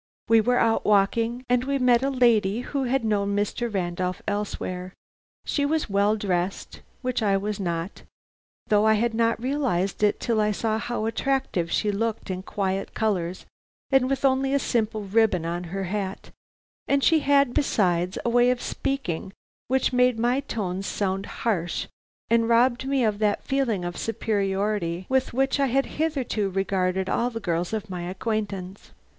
"We were out walking, and we met a lady who had known Mr. Randolph elsewhere. She was well dressed, which I was not, though I had not realized it till I saw how attractive she looked in quiet colors and with only a simple ribbon on her hat; and she had, besides, a way of speaking which made my tones sound harsh, and robbed me of that feeling of superiority with which I had hitherto regarded all the girls of my acquaintance.